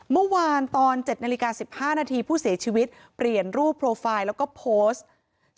เมื่อวานตอน๗นาฬิกา๑๕นาทีผู้เสียชีวิตเปลี่ยนรูปโปรไฟล์แล้วก็โพสต์